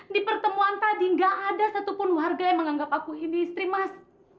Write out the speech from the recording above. di pertemuan tadi gak ada satupun warga yang menganggap aku ini istri mas